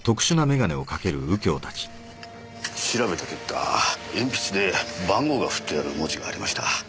調べた結果鉛筆で番号が振ってある文字がありました。